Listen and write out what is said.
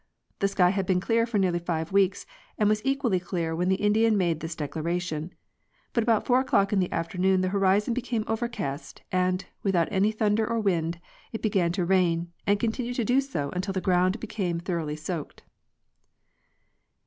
The sky had been clear for nearly five weeks, and was equally clear when the Indian made this declaration ; but about four o'clock in the afternoon the horizon became overcast, and, without any thunder or wind, it began to rain, and con tinued to do so until the ground became thoroughly soaked.